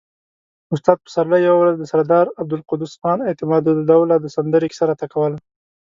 استاد پسرلي يوه ورځ د سردار عبدالقدوس خان اعتمادالدوله د سندرې کيسه راته کوله.